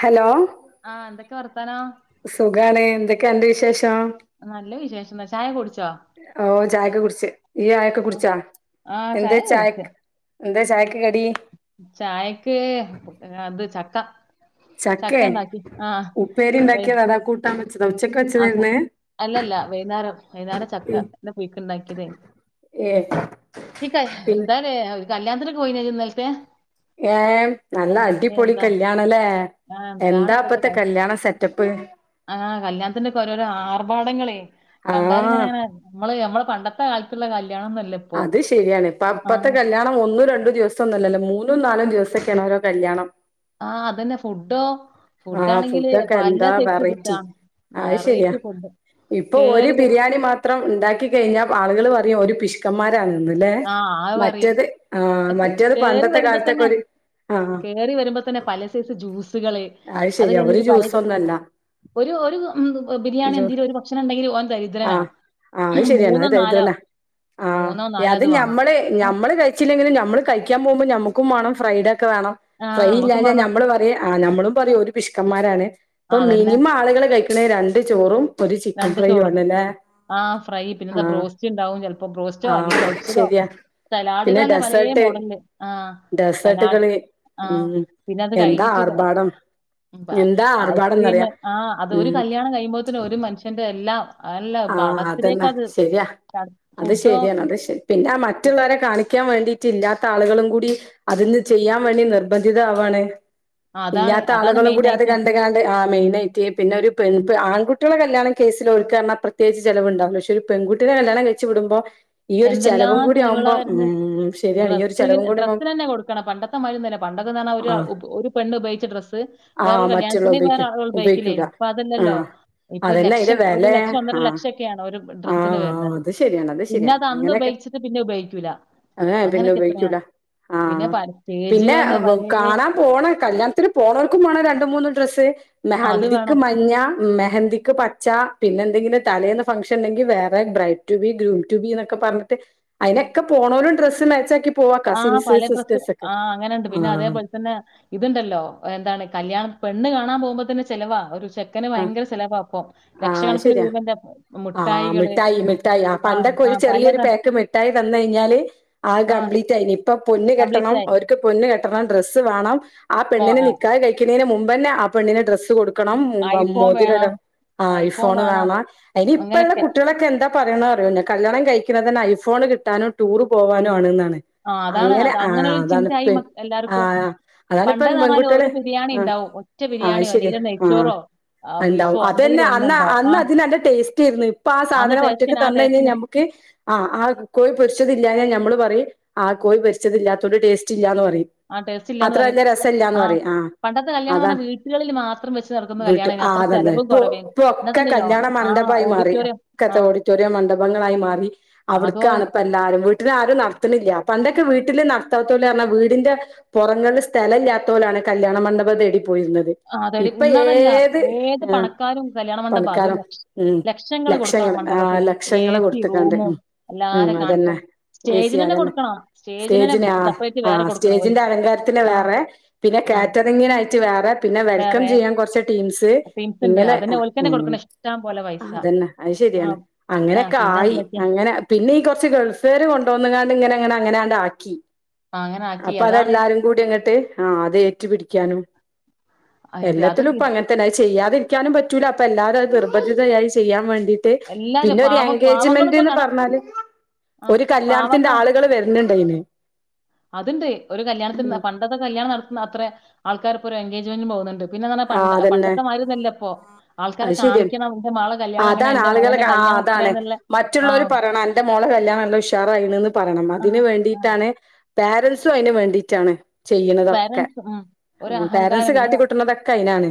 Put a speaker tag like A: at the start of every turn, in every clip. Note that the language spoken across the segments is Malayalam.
A: ഹലോ
B: ആ എന്തൊക്കെ വർത്താനോ?
A: ക്കെണ്ട് വിശേഷം?
B: നല്ല വിശേഷാണ്. ചായ കുടിച്ചാ?
A: ഓ ചായക്കെ കുടിച്ച്, ഈയ് ചായക്കെ കുടിച്ചാ?
B: ആഹ്
A: എന്താ
B: ചായ കുടിച്ച്
A: ചായക്ക്? എന്താ ചായക്ക് കടി
B: ചായക്ക് അത് ചക്ക ചക്ക
A: ചക്കേ?
B: ഉണ്ടാക്കി ആഹ്
A: ഉപ്പേരീണ്ടാക്കിയതാ അതാ കൂട്ടാൻ വച്ച
B: ആ കൂ, അല്ലല്ല, വൈന്നേരം വൈന്നേരം
A: ഉം.
B: ചക്കൻ്റെ പുയുക്ക് ഉണ്ടാക്കിയതേന്.
A: ഏ
B: നീ
A: പിന്നെ
B: [unintelligible] കല്യാണത്തിന് പോയില്ലേ ഇന്നലത്തെ?
A: ങേ
B: ആ,
A: നല്ല
B: എന്തൊക്കെ
A: അടിപൊളി
B: എന്താ
A: കല്യാണല്ലേ!
B: ആഹ് എന്താണ്
A: എന്താ ഇപ്പത്തെ കല്യാണം സെറ്റപ്പ്
B: ആഹ് കല്യാണത്തിന് ഓരോരോ ആർഭാടങ്ങളെ
A: ആ
B: കണ്ടാല് ഇങ്ങനെ നമ്മളെ പണ്ടത്തെ കാലത്ത് ഉള്ള കല്യാണ
A: അത് ശരിയാണ് ഇപ്പൊ ഇപ്പത്തെ കല്യാണം ഒന്നും രണ്ടും ദിവസംഒന്നുമല്ലല്ലോ മൂന്ന് മൂന്നും നാലും ദിവസൊക്കെയാണ് ഓരോ കല്യാണം
B: ആഹ അതന്നെ ഫുഡോ
A: ആഹ
B: ഫുഡാണെങ്കില്
A: ഫുഡൊക്കെ
B: പല
A: എന്താ
B: സൈസ്
A: വെറൈറ്റി
B: ഫുഡാ
A: അത് ശരിയാ
B: വെറൈറ്റി ഫുഡ്
A: ഇപ്പൊ ഒരു
B: കേറി വ
A: ബിരിയാണി മാത്രം ഉണ്ടാക്കി കഴിഞ്ഞാൽ ആളുകൾ പറയും ഓര് പിശുക്കൻമാരാണ് ല്ലേ
B: ആഹ് അത് പറയും
A: മറ്റേത് ആ മറ്റേത്
B: കേറി
A: പണ്ടത്തെ
B: വരുമ്പോ
A: കാലത്തൊക്കെ
B: തന്നെ
A: ഒരു ആഹ്
B: കേറി വരുമ്പോ തന്നെ പല സൈസ് ജ്യൂസുകള്
A: അത് ശരി ഒരു
B: കഴിഞ്ഞിട്ട് പല
A: ജ്യൂസ് ഒന്നും അല്ല
B: ഒരു ഒരു ബിരിയാണി എന്തെങ്കിലും ഒരു ഭക്ഷണം ഉണ്ടെങ്കിൽ ഓൻ
A: ആഹ്
B: ദരിദ്രനാണ്
A: ആഹ് അത് ശരിയണ് അത് ദരിദ്രന
B: മൂന്നോ നാലോ അത് വാ
A: നമ്മള് നമ്മള് കഴിച്ചില്ലെങ്കിൽ നമ്മള് കഴിക്കാൻ പോകുമ്പോ നമുക്കും വേണം ഫ്രൈഡ ഒക്കെ വേണം
B: ആഹ്
A: ഫ്രൈ
B: നമ്മക്കും
A: ഇല്ലാഞ
B: വേണം
A: നമ്മള് പറയും ആ നമ്മളും ഒരു പിഷ്ക്കന്മാരാണ്
B: ആ
A: ഇപ്പൊ
B: അതന്നെ
A: മിനിമം ആളുകൾ കഴിക്ക്ണെ രണ്ട് ചോറും ഒരു ചിക്കൻ ഫ്രൈ ആണല്ലേ
B: ആ ഫ്രൈ പിന്നെന്താ
A: ആഹ്
B: ബ്രോസ്റ്റ് ഉണ്ടാവും ചിലപ്പോ ബ്രോസ്റ്റോ അല്ലേ
A: ആഹ്
B: പൊരിച്ചതോ
A: ശരിയാ പിന്നെ
B: സലാഡുകൾ തന്നെ പലേ
A: ഡെസേർട്ട്
B: മോഡല് ആ സലാഡ്
A: ഡെസേർട്ടുകള്
B: ആഹ
A: ഉം
B: പിന്നെ അത്
A: എന്താ
B: കഴിഞ്ഞിട്ട്
A: ആർഭാടം എന്താ
B: ഐസ്ക്രീം
A: ആർഭാടംന്നറിയാ
B: ആ അതൊരു
A: ഉം
B: കല്ല്യാണം കഴിയുമ്പോത്തനെ ഒരു മനുഷ്യന്റെ എല്ലാം അല്ല
A: ആഹ
B: കടത്തിലേക്ക്
A: അതന്നെ
B: അത്
A: ശരിയാ അത്
B: ഫുഡോ
A: ശരിയാണ് അത് പിന്നെ ആ മറ്റുള്ളവരെ കാണിക്കാൻ വേണ്ടിട്ടിറ്റ് ഇല്ലാത്ത ആളുകളും കൂടി അതൊന്ന് ചെയ്യാൻ വേണ്ടി നിർബന്ധിത ആവാണ്
B: അതാണ്
A: ഇല്ലാത്ത
B: അതാണ്
A: ആളുകളും
B: മെയിൻ
A: കൂടി അത്
B: ആയിട്ട്
A: കണ്ട് കാണ്ട് ആ മെയിനായിട്ട് പിന്നെ ഒരു ആൺകുട്ട കുട്ടള കല്യാണം കേസിൽ ഓൽക്ക് പറഞ്ഞ പ്രത്യേകിച്ച് ചിലവുണ്ടാവില്ല പക്ഷെ ഒരു പെൺകുട്ടിയെ കല്യാണം കയിച് വിടുമ്പോ ഈ ഒരു
B: എന്തെല്ലാ
A: ചെലവും കൂടി
B: ചെിലവളാ
A: ആവുമ്പോ
B: വരന്ന്
A: ഉം ശരിയാണ് ഈ ഒരു ചെലവും കൂടി ആവുമ്പം
B: ഡ്രസ്സിന് തന്നെ കൊടുക്കണ പണ്ടത്തെ മാതിരി അല്ല പണ്ടൊക്കെ പറഞ്ഞാ
A: ആഹ്
B: ഒരു പെണ്ണ് ഉപയോഗിച്ച ഡ്രസ്സ് വേറൊ
A: ആഹ് മറ്റുള്ള
B: കല്യാണത്തിന് വേറെ
A: ഉപയോഗിക്കും
B: ആളുകൾ ഉയോഗിക്കില്ലേ
A: ഉപയോഗിക്കൂല
B: ഇപ്പൊ അതല്ലല്ലോ
A: ആഹ്
B: ഇപ്പൊ ഒരു
A: അതന്നെ അയിന്റെ
B: ലക്ഷം
A: വെലെ
B: ഒന്നര
A: ആഹ്
B: ലക്ഷം ഒകെ ആണ് ഒരു ഡ്രെസ്സിന്ന്
A: ആഹ്
B: വരുന്നത്
A: അത് ശരിയാണ് അത് ശരിയാണ്
B: അത് അന്ന്
A: അങ്ങനെയൊക്കെ
B: ഉപയോഗിച്ചിട്ട് പിന്നെ ഉപയോഗിക്കൂല അങ്ങനെയൊക്കെ എന്തിനാ
A: ആഹ പിന്നെ കാണാൻ പോണ കല്യാണത്തിന് പോണവർക്കും വേണം രണ്ട് മൂന്ന് ഡ്രസ്
B: അത് വേണം
A: ഹൽദിക്ക് മഞ്ഞ മെഹന്തിക്ക് പച്ച പിന്നെ എന്തെങ്കിലും തലേന്ന് ഫങ്ക്ഷന് ഉണ്ടെങ്കിൽ വേറെ തലേന്ന് bride to be groom to be എന്നൊക്കെ പറഞ്ഞിട്ട് അതിനൊക്കെ പോണോലും ഡ്രസ്സ് മാച്ചാക്കി പോവാ
B: ആഹ്
A: കസിൻസ്
B: പല ഡ്രസ്
A: സിസ്റ്റേഴ്സ് ഒക്കെ
B: ആ അങ്ങനെുണ്ട് പിന്നെ
A: ആഹ്
B: അതേപോലെ തന്നെ ഇതുണ്ടല്ലോ എന്താണ് കല്യാണം പെണ് കാൻകുമ്പോൾ തന്നെ ചെലവാ ഒരു ചെക്കന്
A: ആഹ്
B: ഭയങ്കര ചെലവാ ഇപ്പൊ
A: ആഹ്
B: ലക്ഷക്കണക്കിന്
A: ശരിയാ
B: രൂപന്റെ
A: ആഹ്
B: മുഠായികള്
A: മിഠായി മിഠായി
B: ആ
A: പണ്ടൊക്കെ
B: ആ
A: ഒരു
B: പല
A: ചെറിയൊരു
B: ത-
A: പാക്ക് മിട്ടായി തന്ന് കഴിഞ്ഞാല് അത്
B: ആ
A: കംപ്ലീറ്റ് ആയിനി ഇപ്പൊ പൊന്ന്
B: കംപ്ലീറ്റ്
A: കെട്ടണം
B: ആയി
A: അവർക്ക് പൊന്ന കെട്ടണം ഡ്രസ്സ് വേണം ആ
B: മോ-
A: പെണ്ണിനെ
B: ആ,
A: നിക്കാഹ് കഴിക്കുന്നതിന് മുമ്പ് പിന്നെ ആ പെണ്ണിനെ ഡ്രസ്സ് കൊടുക്കണം
B: ഐഫോൺ വേണം
A: മോതിരം ആ ഐഫോണ് വേണം അതിന് ഇപ്പോഴത്തെ
B: അങ്ങനെയൊക്കെ.
A: കുട്ടികളൊക്കെ എന്താ പറയണേ അറിയോ കല്യാണം കഴിക്ക പിന്നെ തന്നെ ഐഫോൺ കിട്ടാനും ടൂറ് പോവാനും ആണെന്നാണ്
B: ആ അതാണ് അത് അങ്ങനെ ഒരു ചിന്തായി എല്ലാവർക്കും
A: ആഹ്
B: പണ്ട്
A: അതാണിപ്പം
B: പറഞ്ഞാൽ
A: പെൺകുട്ടികള്
B: ഒരു ബിരിയാണി
A: ആഹ്
B: ഉണ്ടാവ ഒറ്റ
A: ആഹ്
B: ബിരിയാണിയോ
A: ശരി
B: അല്ലെങ്കിൽ
A: ആഹ്
B: നെയ്ച്ചോറോ ബീഫോ
A: അതന്നെ
B: എന്തെങ്കിലും ഒന്നും ഉണ്ടാവും. ആ
A: അന്ന് അതിന് നല്ല ടേസ്റ്റ് ഏർന്ന ടേസ്റ്റ് ആായിരുന്നു ഇപ്പൊ ആ
B: അന്ന്
A: സാധനം ഒറ്റക്ക്
B: ടേസ്റ്റിന് ആ
A: തന്ന് കഴിഞ്ഞാൽ
B: ടേസ്റ്റിന്
A: നമുക്ക് ആഹ് ആ കോഴി പൊരിച്ചതില്ലാഞാ നമ്മള് പറയും ആ കോഴി പൊരിച്ചത് ഇല്ലാത്തോണ്ട് ടേസ്റ്റ് ഇല്ല പറയും
B: ആ ടേസ്റ്റ് ഇല്ലാന്ന്
A: അത്ര
B: പറയും.
A: വലിയ രസല്ല
B: ആഹ്
A: പറയും ആ
B: പണ്ടത്തെ കല്യാണം പറഞ്ഞാ
A: അതാണ്
B: വീട്ടുകളിൽ മാത്രം വെച്ച് നടക്കുന്ന
A: വീട്ട്
B: കല്യാണേനു
A: ആ
B: അത്ര ചെലവും
A: ഇപ്പൊ
B: കുറവേനു. ഇന്നത്തെ
A: ഇപ്പൊക്കെ
B: ഇണ്ടല്ലോ
A: കല്യാണ
B: ആ
A: മണ്ഡപമായി മാറി
B: ഓഡിറ്റോറിയം
A: എല്ലാം
B: ആഹ്
A: ഓഡിറ്റോറിയം മണ്ഡഭം ങ്ങളായി മാറി
B: അതോ
A: അവിടുക്കാണ് ഇപ്പോ എല്ലാരും വീട്ടിന്ന് ആരും നടത്തുന്നില്ല പണ്ടൊക്കെ വീട്ടിൽ നിന്ന് [unintelligible] വീടിന്റെ പുറങ്ങളില് സ്ഥലം ഇല്ലാത്തോരാണ് കല്യാണ മണ്ഡപം തേടി പോയിരുന്നത്, ഇ
B: അതെടി
A: ഇപ്പൊ
B: ഇന്നതല്ല
A: ഏത്
B: ഏത്
A: ആ
B: പണക്കാരും കല്യാണ മണ്ഡപം അതും
A: പണിക്കാരും
B: ലക്ഷ
A: ഉം
B: കൊടുക്കണം
A: ലക്ഷങ്ങള് ആ ല
B: മണ്ഡപത്തിന് എ
A: ലക്ഷങ്ങള്
B: സി
A: കൊടുത്തക്കണ്ട്
B: റൂമും
A: ഉം ഉം
B: എല്ലാരെ
A: അതന്നെ
B: കാണിക്കാൻ
A: ഏ സി
B: സ്റ്റേജിനന്നെ
A: അതന്നെ,
B: കൊടുക്കണം സ്റ്റേജിനന്നെ
A: സ്റ്റേജിന് ആ
B: സെപ്പറേറ്റ്
A: ആ
B: വേറെ കൊടുക്കണം
A: സ്റ്റേജിന്റെ
B: ഓര്ക്ക്
A: അലങ്കാരത്തിന്
B: ആഹ്
A: വേറെ, പിന്നെ
B: ആഹ്
A: കാറ്ററിങ്ങിനായിട്ട് വേറെ, പിന്നെ വെൽക്കം
B: വേറെ
A: ചെയ്യാൻ കുറച്ച് ടീംസ് സ്
B: ടീംസ് ഇണ്ട്
A: ഇങ്ങനെ
B: അതന്നെ
A: അ
B: ഓൽക്കന്നെ
A: ഹും
B: കൊടുക്കണം ഇഷ്ടം പോലെ പൈസ
A: അതന്നെ അത് ശരിയാണ്,
B: ആഹ് ആഹ്
A: അങ്ങനൊക്കെ
B: പിന്നെ
A: ആയി ഹ്
B: എന്തൊക്കെയാ
A: അങ്ങനെ പിന്നെ ഈ കുറച്ച് ഗൾഫ്കാര് കൊണ്ടോന്നെങ്ങാണ്ടിങ്ങനങ്ങനാണ്ടാക്കി.
B: ആ, അങ്ങനെ ആക്കി
A: അപ്പൊ
B: അതാണ്
A: അതെല്ലാരും കൂടി അങ്ങോട്ട് ആ അത് ഏറ്റ്പിടിക്കാനും
B: ആ, ഇത്
A: എല്ലാത്തിലും
B: അതൊക്കെ
A: ഇപ്പ
B: ഇത്
A: അങ്ങന തന്നെ, അത് ചെയ്യാതിരിക്കാനും പറ്റൂല അപ്പൊ എല്ലാരും അത് നിർബന്ധിതയായി ചെയ്യാൻ വേണ്ടി ന്നട്ട് പിന്നെ
B: എല്ലാരും
A: ഒരു
B: പാവം പാവങ്ങളിപ്പോ
A: എൻഗേജ്മെന്റ്ന്ന്
B: കട
A: പറഞ്ഞാല്
B: ആഹ്
A: ഒരു കല്യാണത്തിന്റെ ആളുകൾ വരുന്നുണ്ട് അയിന്
B: അത്ണ്ട് ഒരു കല്യാണത്തിന് പണ്ടത്തെ കല്യാണം നടത്തുന്ന അത്ര ആൾക്കാർ ഇപ്പോ ഒരു എൻഗേജ്മെന്റിന് പോകുന്നുണ്ട് പിന്നെന്ന്
A: ആഹ്
B: പറ്ഞ്ഞാ
A: അതന്നെ
B: പണ്ടത്തെ മാതിരി ഒന്നുല്ല ഇപ്പോ ആൾക്കാരെ
A: അത് ശരിയാണ്
B: കാണിക്കണം എന്റെ മളെ കല്യാണം അങ്ങനെ
A: അതാണ്
B: എന്റെ
A: ആളുകളെ
B: മകന്റെ
A: ആ
B: കല്യാ
A: അതാണ് മറ്റുള്ളവര് പറയണം എന്റെ മോളെ കല്യാണമല്ലോ ഉഷാറായിണ്ന്ന് പറയണം
B: ആഹ്
A: അതിന് വേണ്ടിയിട്ടാണ് പോരന്റ്സും അയിന് വേണ്ടിട്ടാണ് ചെയ്യ്ണതൊക്കെ
B: പേരൻസ് ഉം ഒരു
A: ഉം
B: അഹങ്കാരം
A: പോരന്റ്സ്
B: പിന്നെ
A: കാട്ടിക്കൂട്ട്ണ തൊ ക്കെ അയ്നാണ്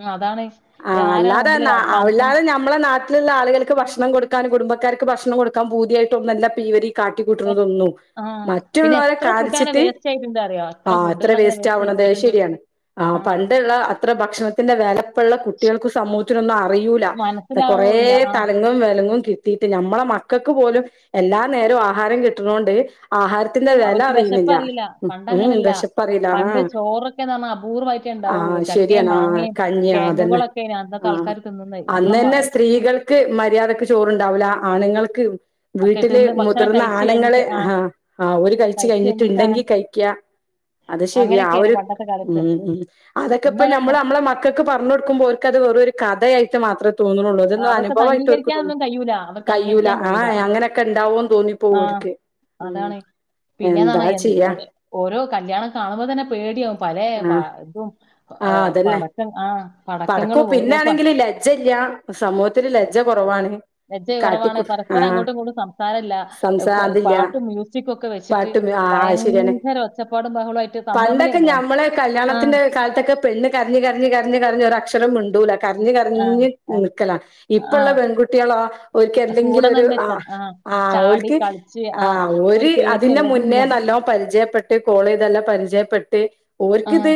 B: ഉം അതാണ്
A: ആ
B: ആരാണ്
A: അല്ലാതെ
B: മുമ്പിൽ കാണിക്കുന്ന
A: അല്ലാതെ നമ്മളെ നാട്ടിലുള്ള ആളുകൾക്ക് ഭക്ഷണം കൊടുക്കാൻ കുടുംബ ക്കാർക്ക് ഭക്ഷണം കൊടുക്കാൻ പൂതിയായിട്ടുംന്നല്ലീവര് കാട്ടിക്കൂട്ടുന്നതൊന്നു
B: ആഹ് പിന്നെ
A: മറ്റുള്ളവരെ
B: എത്ര ഫുഡ് അങ്ങനെ
A: കാണിച്ചിട്ട്
B: വേസ്റ്റ് ആയിട്ടുണ്ട് അറിയോ
A: ആ എത്ര
B: ഫുഡുകൾ അങ്ങനെ
A: വേസ്റ്റ്
B: ആയി
A: ആവണം
B: പോയിട്ടുണ്ട്
A: ശരിയാണ് ആ
B: ആഹ്
A: പണ്ട് അത്ര ഭക്ഷണത്തിന്റെ വെല ഇപ്പളള കുട്ടിയോൾക്ക് സമൂഹത്തിനും ഒന്നും അറീയൂല കൊറേ
B: മനസ്സിലാവണൂല്ല ആ മനസ്സിലാകണമില്ല.
A: തലങ്ങൾ വ ലങ്ങും കിട്ടീട്ട് ഞമ്മള മക്കൾക്ക് പോലും എല്ലാ നേരവും ആഹാരം കിട്ട്ണോണ്ട് ആഹാരത്തിന്റെ വെല
B: അവർക്ക്
A: അറീണില്ല
B: വിശപ്പറിയില്ല
A: ഉം
B: പണ്ടങ്ങനല്ല
A: വിശപ്പ് അറീല്ല
B: പണ്ട് ചോറൊക്കെന്ന് പറഞ്ഞാ അപൂർവമായിട്ടേ
A: ആ ആ
B: ഉണ്ടാവുള്ളൂ ചക്കയും
A: ശരിയാണ്
B: മാങ്ങയും
A: കഞ്ഞിയാ അതന്നെ
B: കിഴങ്ങുകളൊക്കെ ഇനി
A: ആ
B: അന്നത്തെ ആൾക്കാർ തിന്നുന്നത് നമ്മളെ മ-
A: അന്നന്നെ സ്ത്രീകൾക്ക് മര്യാദക്ക് ചോറ്ണ്ടാവില്ല ആണുങ്ങൾക്ക്
B: ഒക്കെ
A: വീട്ടില്
B: തിന്ന് ഭക്ഷണം
A: മുതിർന്ന
B: കഴിച്ചു
A: ആണുങ്ങള്
B: കഴിഞ്ഞിട്ട് ആ
A: ഹാ ആ ഓല് കഴിച്ച്
B: കഴിച്ചു കഴിഞ്ഞിട്ടാണ്
A: കഴിഞ്ഞിട്ട്ണ്ടെങ്കി കഴിക്കാ അത് ശെരി ആ
B: അങ്ങനെയൊക്കെയാണ്
A: ഒരു
B: പണ്ടത്തെ
A: ഉം
B: കാലത്ത്
A: ഉം അതൊക്കെപ്പോ
B: ഇന്നതല്ല
A: നമ്മള് നമ്മളെ മക്കൾക്ക് പറഞ്ഞു കൊടുക്കുമ്പോ ഓര്ക്കത് വെറൊരു കഥയായിട്ട് മാത്രം തോന്ന്ണൊള്ളൂ
B: ആ,
A: തന്നും
B: അവർക്ക് അത്
A: അനുഭവമായിട്ട് ഓര്ക്ക് തോന്നും
B: അംഗീകരിക്കാനൊന്നും കഴിയൂല അവർക്ക്
A: കയ്യൂലാ
B: അംഗീകരിക്കാൻ
A: ആ
B: കഴിയൂല
A: അങ്ങനെയൊക്കെ ഉണ്ടാവോന്ന് തോന്നിപ്പോ
B: ആ ആ,
A: ഓര്ക്ക് ഉം
B: അതാണ് പിന്നെന്ന്
A: എന്താ
B: പറഞ്ഞാ
A: ചെയ്യാ
B: എ ഓരോ കല്യാണം കാണുമ്പോ തന്നെ പേടിയാവ പല പ ഇതും
A: ആ അതന്നെ
B: പടക്കം ആ
A: പടക്കൂ
B: പടക്കങ്ങളും ഓരോ പ-
A: പിന്നൊണെങ്കില് ലജ്ജല്ല സമൂഹത്തിൽ ലജ്ജ കുറവാണ്
B: ലജ്ജ കുറവാണ്
A: കാട്ടിക്കു ആ
B: പരസ്പരം അങ്ങോട്ടും ഇങ്ങോട്ടും സംസാരം ഇല്ല
A: സംസാ അതില്ല
B: പാട്ടും മ്യൂസിക്കും ഒക്കെ വെച്ചിട്ട്
A: പാട്ടും ആ അത് ശരിയാണ്
B: ഭയങ്കര ഒച്ചപ്പാടും ബഹളായിട്ട് തമ്മ് തമ്മില് [unintelligible] ആ
A: ക്ക് പെണ്ണ് കരഞ്ഞ് കരഞ്ഞ് കരഞ്ഞ് കരഞ്ഞ് ഒരു അക്ഷരം മിണ്ടൂലാ കര്ഞ്ഞ്
B: ആഹ്
A: കര്ഞ്ഞ്
B: ആഹ്
A: നിക്കലാ ഇപ്പള്ള
B: ആഹ്
A: പെൺകുട്ടിയോളോ ഓല്ക്ക്
B: കൂടെ
A: എന്തെങ്കിലും ഒരു
B: നിന്ന്
A: ആ
B: ച ആഹ്
A: ആ
B: ചാടി
A: ഓല്ക്ക്
B: കളിച്ച്
A: ആ
B: ആഹ്
A: ഒരു അതിന്റെ
B: പേടിയുള്ളതില്ല.
A: മുന്നേ നല്ലോ ണം പരിചയപ്പെട്ട് കോള് ചെയ്ത് നല്ല പരിചയപ്പെട്ട്
B: ആഹ്
A: ഓർക്കിത്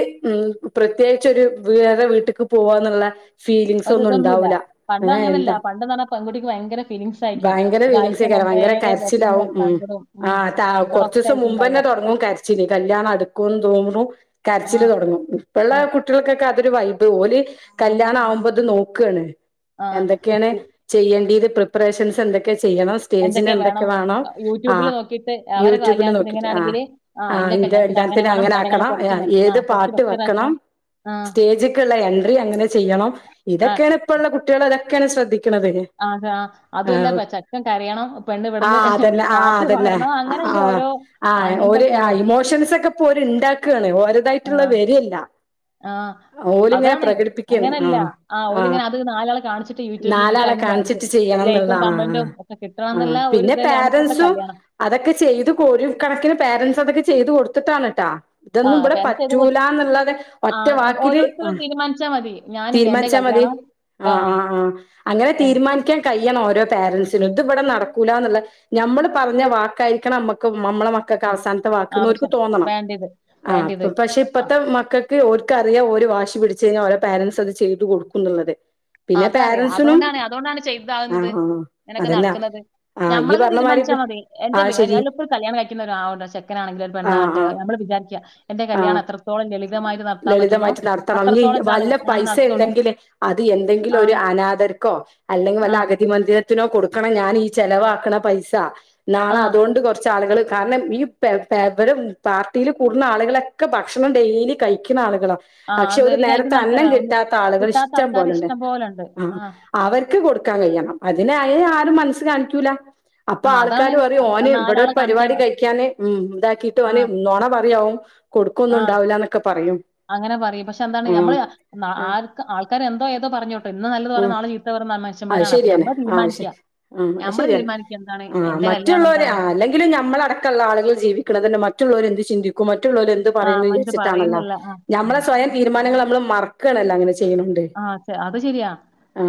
A: പ്രത്യേകിച്ച് ഒരു വേറെ വീട്ട്ക്ക് പോവാന്ന്ള്ള ഫീലിങ്സ് ഒന്നും
B: ഒരിതൊന്നുല്ല.
A: ഉണ്ടാവൂല്ല
B: പണ്ട്
A: ഏ
B: അങ്ങനല്ല.
A: എന്താ
B: പണ്ടെന്ന് പറഞ്ഞാ പെൺകുട്ടിക്ക് ഭയങ്കര ഫീലിംഗ്സ് ആയിരിക്കും.
A: ഭയങ്കര ഫീലിംഗ്
B: ഒരാഴ്ച
A: സേ ക്കാരാം
B: മുമ്പേ
A: ഭയങ്കര കരച്ചിലാവും
B: വിഷമവും
A: ഉം
B: സങ്കടവും
A: ആ
B: ഉം സങ്കടൊക്കെ
A: കൊറച്ചൂസം
B: ആയിരിക്കും
A: മുമ്പന്നെ
B: ഉണ്ടാവുക.
A: തൊടങ്ങും കരച്ചില് കല്യാണം അടു ക്കുതൂമ്പും കരച്ചിൽ
B: ആഹ്
A: തൊടങ്ങും ഇപ്പള്ള
B: ആഹ്
A: കുട്ടികൾക്കൊക്കെ അതൊരു വൈബ് ഓല് കല്യാണ ആവുമ്പോത് നോക്കാണ്
B: ആഹ്
A: എന്തൊക്കെയാണ്
B: പി
A: ചെയ്യേണ്ടത് പ്രിപ്പറേഷൻസ് എന്തൊക്കെ ചെ യ്യണം സ്റ്റേജിൽ എന്തൊക്കെ വേണം ആ
B: യൂട്യൂബില് നോക്കിയിട്ട് അവരെ
A: യൂടുബിൽ
B: കല്യാണത്തിന്
A: നോക്കിട്ട് ആ
B: ഇങ്ങനെയാണെങ്കില്
A: ആ
B: ഇന്റെ
A: ന്റെ
B: കല്യാണത്തിന്
A: കല്യാണ്ത്തിന്
B: വേണം
A: അങ്ങനെ
B: അതിനേക്കാളും
A: ആക്കണം
B: കുറച്ച് മെ ആ
A: ഏത്
B: കുറച്ച്
A: പാട്ട്
B: ബെറ്റർ
A: വെക്കണം
B: ആക്കണം ആ
A: സ്റ്റേജക്ക്ള്ള എൻട്രി എങ്ങനെ ചെയ്യണം ഇതെക്കെയാണ് ഇപ്പളള കുട്ടിയോള് അതൊക്കൊയാണ് ശ്രദ്ധി
B: അതെ അതു അല്ല ചെക്കൻ കരയണം പെണ്ണ് ഇവിട്ന്ന് പാട്ട് പാടണം അങ്ങനെ
A: ആ
B: ഓരോ
A: ആ
B: അങ്ങനത്തെ
A: ഓര്
B: ഒക്കെ
A: ആ
B: ഓരോ
A: ഇമോഷൻസൊക്കെ പോല് ഇണ്ടാക്കാണ്
B: ആ
A: ഓര്തായിട്ടുള്ള വെ ര്നില്ല
B: ആ
A: ഓലിങ്ങനെ
B: അതാണ്
A: പ്രകടിപ്പിക്കാണ് ആ
B: അങ്ങനല്ല
A: ആ
B: ഓരിങ്ങനെ അത് നാലാളെ കാണിച്ചിട്ട് യൂട്യൂബിൽ ഇട്ടിട്ട് അതിന്
A: നാലാളെക്കാ
B: വാങ്ങിച്ചു
A: കാണിച്ചിട്ട് ചെയ്യണന്ന് ള്ള
B: ലൈക്കും
A: ആ
B: കമന്റും ഒക്കെ കിട്ടണം
A: ആ
B: എന്നുള്ള ഒരു
A: പിന്നെ
B: ഇതല്ലാണ് ഇപ്പോഴത്തെ
A: പാരന്റ്സും
B: കല്യാണം
A: അതൊക്കെ ചെയ്ത് കൊ ഒരു കണക്കിന് പാരന്റ്സ് ഇതൊക്കെ ചെയ്ത് കൊടുത്ത്ട്ടാണ് ട്ടോ
B: ആ
A: തൊന്നും ഇബടെ
B: അപ്പൊ എനിക്ക് ഇത്
A: പറ്റൂ
B: കൊടു-
A: ലാന്നുള്ളാത്
B: ആ
A: ഒറ്റ
B: ഞാൻ-
A: വാക്കില്
B: ഓരോരുത്തരും തീരുമാനിച്ചാ മതി ഞാൻ ഇങ്ങ- എന്റെ
A: തീരുമാനിച്ചാ മതി
B: കല്യാണം
A: ആ ആ ആ അങ്ങനെ തീരുമാനിക്കാൻ കയ്യണം ഓരോ പാരന്റ്സിനും ഇത് ഇബടെ നടക്കൂലന്ന്ള്ള നമ്മള് പറ്ഞ്ഞ വാക്കായിരിക്കണം നമ്മക്ക് നമ്മളെ മക്കക്ക്
B: ആ
A: അവസാനത്തെ വാക്കുന്നോർക്ക്
B: ആവശ്യം
A: തോന്നണം
B: വേണ്ടിയത്
A: ആ
B: വേണ്ടിയത്
A: പക്ഷെ
B: ആ
A: ഇപ്പഴത്തെ മക്കൾക്ക് ഓർക്കറിയാം ഓര് വാശി പിടിച്ച് കഴിഞ്ഞാ ഓരെ പാരൻറ്സ് അത് ചെയ്തു കൊടുക്കുന്നുള്ളത്
B: അതറിയാം അതുകൊണ്ടാണ് അതുകൊണ്ടാണ് ചെയ്താകുന്നത്
A: ആഹ് ആഹ്
B: ഇങ്ങനൊക്കെ
A: അതന്നെ
B: നടക്കുന്നത്
A: ആഹ് ഇയ്യ്
B: ഞമ്മളെല്ലാം
A: പറഞ്ഞ
B: തീരുമാനി
A: മാരി
B: ച മതി എന്റെ
A: ആഹ് ശരി
B: [unintelligible] കല്യാണം കഴിക്കുന്ന ഒരു ചെക്കനാണെങ്കിലും ഒരു
A: ആഹ്
B: പെണ്ണാകട്ടെ
A: ആഹ്
B: നമ്മൾ വിചാരിക്കുക എൻറെ കല്യാണം
A: ആഹ്
B: എത്രത്തോളം ലളിതമായിട്ട് നടത്താൻ പറ്റുന്നോ
A: ലളിതമായിട്ട് നടത്തണം ഇനി
B: അത്രത്തോളം എന്താണ് ഞാൻ നടത്തോളൂ
A: എന്തെങ്കിലിൽ ഒരു അനാഥർക്കോ അല്ലെങ്കിൽ
B: ആ
A: വല്ല അഗതിമന്ദിര ത്തിനോ കൊടുക്കണം ഞാൻ ഈ ചെലവാക്കണ പൈസ നാളെ
B: ആ
A: അതുകൊണ്ട് കുറച്ച് ആളുകൾ കാരണം ഈ [unintelligible] പാർട്ടിയിൽ കൂടുന്ന ആളുകളെ തൊക്കെ ഭക്ഷണം ഡെയിലി കഴിക്കുന്ന ആളുകള
B: ആ
A: പക്ഷെ
B: അത്
A: ഒരു
B: ഈ
A: നേരത്തെ
B: കഴിക്കുന്ന
A: അന്നം
B: ആൾക്കാരാ ഒന്ന്
A: കിട്ടാത്ത ആളുകൾ
B: കിട്ടാത്ത
A: ഇഷ്ടം
B: ആൾക്കാര്
A: പോലണ്ട്
B: ഇഷ്ടം പോലെ ഉണ്ട്
A: ആഹ
B: ആ
A: അവർക്ക് കൊടുക്കാൻ കഴിയണം അതിനായി ആരും മനസ്സ് കാണിക്കൂല അപ്പൊ
B: ആ അതാണ്
A: ആൾക്കാര് പറയും ഓന്
B: അ-
A: ഇവിടെ ഒരു
B: നാലാളെ കാണിക്കാൻ
A: പരിപാടി കഴിക്കാന് ഉം ഇതാക്കിട്ട്
B: ആ
A: ഓന് നുണ പറയാവും കൊടുക്കൊന്നും
B: ആ
A: ഇണ്ടാവില്ല എന്നൊക്കെ പറ
B: അങ്ങനെ പറയും പക്ഷെ എന്താണ് നമ്മള്
A: ആഹ്
B: ആൾക്കാർ എന്തോ ഏതോ പറഞ്ഞോട്ടോ ഇന്ന് നല്ലത് പറയുന്ന നാളെ ചീത്ത ത് [unintelligible]
A: ആ ശെരിയാണ് ആ ആഹ
B: നമ്മള്
A: ശരിയാണ്
B: തീരുമാനിക്കുക എന്താണ്
A: ആഹ്
B: എന്റെ കല്യാണം
A: മറ്റുള്ളവര്
B: എന്താണ്
A: അല്ലെങ്കിലും ന മ്മളടക്കമുള്ള ആളുകൾ ജീവിക്കണത് തന്നെ മറ്റുള്ളവര് എന്ത്‌ ചി കും മറ്റുളോൽ എന്ത്
B: ആ
A: പറയുന്ന്
B: ഇത്
A: വിചാരിച്ചിട്ടാണല്ലോ
B: പറയുന്നില്ല ആ ആ
A: നമ്മളെ സ്വയം തീരുമാനങ്ങൾ നമ്മള് മറക്കണല്ലോ അങ്ങനെ ചെയ്യുമ്പോ
B: ആഹ അത് ശരിയാ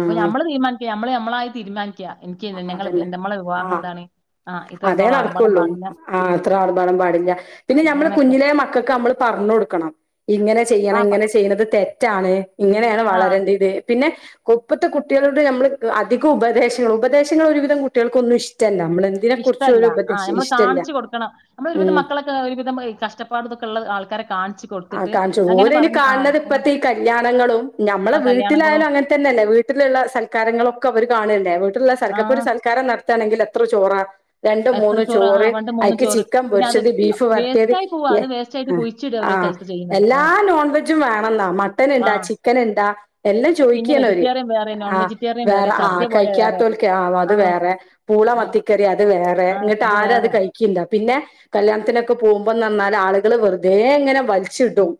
B: അപ്പൊ ഞമ്മള് തീരുമാനിക്ക നമ്മള് ഞമ്മളായി തീരുമാനിക്ക എനിക്ക് ഞങ്ങള് എന്ത മ്മളെ വിവാഹം എന്താണ് ആ
A: അതെ
B: ഇത്രത്തോളം ആർഭാടം
A: നടക്കുള്ളൂ
B: പാടില്ല
A: ആ
B: ഉം
A: അത്ര ആർഭാടം പാടില്ല പിന്നെ ഞമ്മള്
B: അങ്ങനൊക്കെ
A: കുഞ്ഞിലെ മക്കൾക്ക് നമ്മള് പറ പറഞ്ഞു കൊടുക്കണം ഇങ്ങനെ
B: ആ
A: ചെയ്യണം
B: പ
A: ഇങ്ങനെ ചെയ്യുന്നത് തെ തെറ്റാണ് ഇങ്ങനെയാണ്
B: ആ
A: വളരേണ്ടത് പിന്നെ ഇപ്പത്തെ കുട്ടികളോട് നമ്മള് അധികം ഉപദേശങ്ങൾ ഉപദേശങ്ങൾ ഒരുവിധം കുട്ടികൾകൊന്നും ഇഷ്ടല്ല നമ്മള് എന്തിനെ കുറിച്ചും
B: ഇഷ്ടമല്ല
A: ഒരു
B: ആ
A: ഉപദേശം
B: നമ്മള്
A: ഇഷ്ടല്ല
B: കാണിച്ചച്ച് കൊടുക്കണം നമ്മൾ ഒരുവിധ
A: ഉം
B: മക്കളൊക്കെ ഒരുവിധം കഷ്ടപ്പാടതൊക്കെ ഉള്ള ആൾക്കാരെെ
A: ആ കാണിച്ചു ഓരയിനും കാണുന്നത്
B: ആ
A: ഇപ്പത്തെ ഈ കല്യാണങ്ങളും ഞമ്മളെ
B: ആ
A: വീട്ടിലായാലും
B: കല്യാണങ്ങളും
A: അങ്ങനെ തന്നെല്ലേ വീട്ടിലുള്ള സൽക്കാരങ്ങളൊക്കെ അവര് കാണല്ലേ വീട്ടിലുള്ള
B: ആ
A: ഇപ്പൊ ഒരു സൽക്കാരം നടത്താണെങ്കിൽ എത്ര ചോറാ രണ്ട്
B: എത്ര
A: മൂന്ന്
B: ആ
A: ചോറ്
B: പണ്ട് മൂന്ന്
A: അയിക്ക്
B: ചോറ്
A: ചിക്കൻ
B: പിന്നെ അത്
A: പൊരിച്ചത് ബീഫ്
B: വേസ്റ്റ്
A: വരട്ടിയത്
B: ആയി പോവാ അത് വേസ്റ്റ് ആയിട്ട് കുഴിച്ചിട ഓരോ
A: ആ
B: സ്ഥലത്ത് ചെയ്യുന്നത് ആ
A: എല്ലാ നോൺ വെജും വേണന്നാ മട്ടൻ
B: ആ
A: ഇണ്ടാ ചിക്കൻ ഇണ്ടാ എല്ലാം
B: പിന്നെ
A: ചോദിക്കണ അവര്
B: വെജിറ്റേറിയൻ വേറെ നോൺ
A: ആ
B: വെജിറ്റേറിയൻ
A: വേറെ ആ
B: സദ്യ പോലെ വേറെ
A: കഴിക്കാതോൽക്ക അത്
B: ആ
A: വേറെ പൂള
B: ആ
A: മത്തിക്കറി അത് വേറെ
B: ആ
A: ഇന്നട്ട് ആരാ അത്
B: വേറെ
A: കഴിക്കണ്ട പിന്നെ കല്യാണത്തിനൊക്കെ പോകുമ്പോ ന്നർഞ്ഞാൽ ആളുകള് വെറുതെ അങ്ങനെ വലിച്ചിട്ടും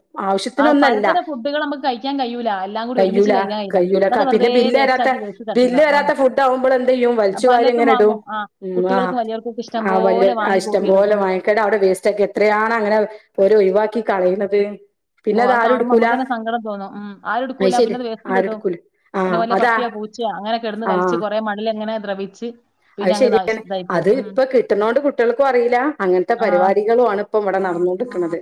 B: ആ
A: ആവശ്യത്തിനൊന്നല്ല
B: പലതരം ഫുഡുകൾ നമുക്ക് കഴിക്കാൻ കഴിയൂല എല്ലാം കൂടി ഒരുമിച്ച്
A: കയ്യൂല
B: കഴിക്കാൻ കഴിയില്ല
A: കയ്യൂല
B: അത് വെറുതെ
A: പിന്നെ
B: വേസ്റ്റ്
A: [unintelligible]
B: ആക്കി വേസ്റ്റ് തട്ടുന്ന
A: ബില്ല്
B: ആ
A: തരാത ഫുഡവുമ്പോ എന്തയ്യും വലിച്ചു വാരി
B: പലതും
A: അങ്ങനെ ഇടും
B: വാങ്ങും ആ
A: ആ
B: കുട്ടികൾക്കും വലിയവർക്കും ഇഷ്ടം
A: അ
B: പോലെ
A: ആ
B: വാങ്ങി
A: ഇഷ്ടം
B: കൂട്ടിയിടും
A: പോലെ
B: ഉം
A: വാങ്ങിക്കാണ്ട് അവിടെ വേസ്റ്റ് ആക്കി എത്രയാണ് അങ്ങനെ ഓര് ഒഴിവാക്കി കളയണ ത്
B: ഓ അത് കാണുമ്പോ നമുക്ക് തന്നെ സങ്കടം തോന്നും ഉം ആര്ടുക്കൂല
A: ശരി
B: പിന്ന അത്
A: ആരും
B: വേസ്റ്റിലിട്ടും
A: എടുക്കൂല
B: പിന്നെ
A: ആഹ്
B: വല്ല
A: അതാ
B: പട്ടിയോ പൂച്ചയ അങ്ങനെ കിടന്ന് വലിച്ച്
A: ആഹ്
B: കുറെ മണിലങ്ങനെ ദ്രവിച്ചു
A: അത് ശരിയാണ് അത് ഇപ്പൊ കിട്ടണോണ്ട് കുട്ടികൾക്കും അറിയില്ല അങ്ങനത്തെ
B: ആഹ്
A: പരിപാടികളു ആണ് ഇപ്പം ഇവിടെ നടനോണ്ടിക്കുന്നത്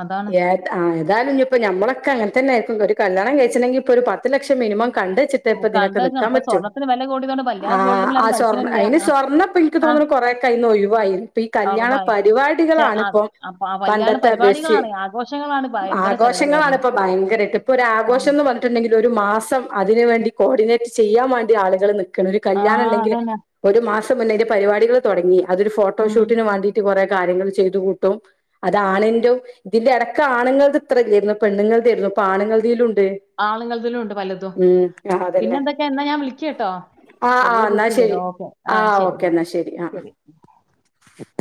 B: അതാണ്
A: ഏ ആ എന്തായാലും ഇപ്പോ നമ്മളൊക്കെ അങ്ങനെ തന്നെ ആയിരിക്കും ഒരു കല്യാണം കഴിച്ചണെങ്കിൽ ഇപ്പോ ഒരു പത്ത് ലക്ഷം മിനിമം കണ്ട വേച്ചിട്ടെ ഇപ്പ ഇതിനൊക്കെ
B: കണ്ട് വെക്കണം
A: നിക്കാൻ
B: ഇപ്പൊ
A: പറ്റു
B: സ്വർണ്ണത്തിന് വില കൂടിയതുകൊണ്ട് വല്ലാതെ ഗോൾഡുമ്മൽ ആരും കളിക്കണില്ല
A: അയ്ന് സ്വർണപ്പൊ ഇൻക്ക്
B: ആഹ്
A: തോനുണ് കൊറേ ഒക്കെ ഒഴിവായി ഇപ്പ കല്യാണ
B: ഉറപ്പായും ചെ അത്
A: പരിപാടികളാണിപ്പം
B: അപ്പൊ ആ വല്ലാണ്ട്
A: പണ്ടത്തെ അപേശിച്ച്
B: പരിപാടികളാണ് ആഘോഷങ്ങളാണ് ഭയങ്കര ചെലവില് വരുന്നത്
A: ആഘോഷങ്ങളാണ്പ്പം ഭയങ്കരായിട്ട് ഇപ്പൊ
B: ആഹ്
A: ഒരാഘോഷം എന്ന് പറ പറഞ്ഞിട്ടുണ്ടെങ്കിൽ ഒരു മാസം അതിന് വേണ്ടി കോർഡിനേറ്റ് ചെയ്യാൻ വേണ്ടി ആളുകൾ നിക്ക്ണ്ഒരു കല്യാണം
B: ആഹ്
A: ഉണ്ടെങ്കില്
B: അതന്നെ
A: ഒരു മാസം മുന്നേ ആയിന്റെ പരിപാടികൾ തുടങ്ങി അതൊരു
B: ഉം
A: ഫോട്ടോഷൂട്ടന് വാണ്ടീട്ട് കുറെ കാര്യങ്ങൾ ചെയ്ത് കൂട്ടും അതാണിന്റേം ഇതിന്റെ ഇടക്ക് ആണുങ്ങൾ ഇത്ര ഇലേയ്ന്നു പെണ്ണുങ്ങൾ തേയ്ന്നു പ്പാണ്ങ്ങൾ തീലുണ്ട്
B: ആളുങ്ങളതിലും ഉണ്ട് പലതും
A: ആ
B: പിന്നെ
A: അതന്നെ
B: എന്തൊക്കെ എന്നാ ഞാൻ വിളിക്ക ട്ടോ
A: ആ ആ എന്നാ ശരി ആ ഓക്കെ
B: എന്നാ
A: എന്നാൽ ശരി ആ.